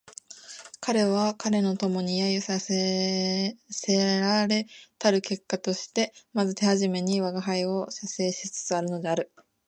彼は彼の友に揶揄せられたる結果としてまず手初めに吾輩を写生しつつあるのである